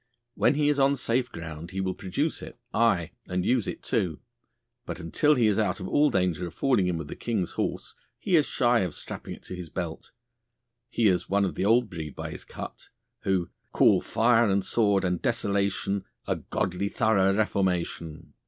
When he is on safe ground he will produce it, aye, and use it too, but until he is out of all danger of falling in with the King's horse he is shy of strapping it to his belt. He is one of the old breed by his cut, who: "Call fire and sword and desolation, A godly thorough reformation."